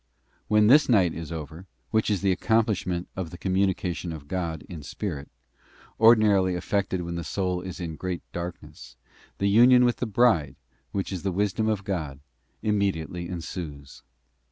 When this night is over, which is the accomplish ment of the communication of God in spirit, ordinarily effected when the soul is in great darkness, the union with the bride, which is the Wisdom of God, immediately ensues.